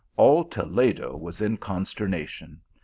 All Toledo was in consternation.